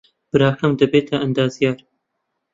براکەم دەبێتە ئەندازیار.